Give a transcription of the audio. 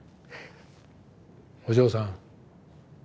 お嬢さん。